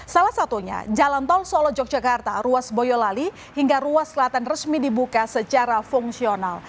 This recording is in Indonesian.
salah satunya jalan tol solo yogyakarta ruas boyolali hingga ruas kelaten resmi dibuka secara fungsional